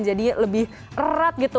jadi lebih erat gitu